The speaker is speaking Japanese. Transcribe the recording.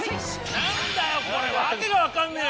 何だよこれわけがわかんねえよ！